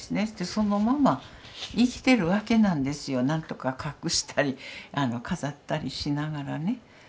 そしてそのまま生きてるわけなんですよ何とか隠したり飾ったりしながらね。